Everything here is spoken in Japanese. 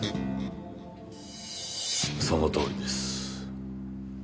そのとおりです。